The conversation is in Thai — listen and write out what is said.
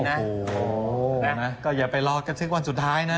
นะก็อย่าไปรอกระทึกวันสุดท้ายนะ